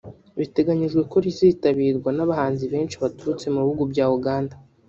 Biteganijwe ko rizitabirwa n’abahanzi benshi baturutse mu bihugu bya Uganda